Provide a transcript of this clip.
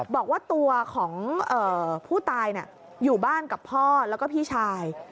บอกว่าตัวของผู้ตายอยู่บ้านกับพ่อแล้วก็พี่ชาย